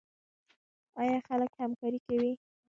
آیا خلک همکاري کوي؟